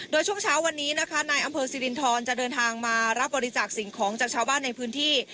โดยช่วงเช้าวันนี้นะคะนายอำเภอสิรินทรจะเดินทางมารับบริจาคสิ่งของจากชาวบ้านในพื้นที่